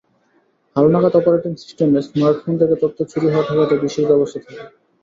হালনাগাদ অপারেটিং সিস্টেমে স্মার্টফোন থেকে তথ্য চুরি হওয়া ঠেকাতে বিশেষ ব্যবস্থা থাকে।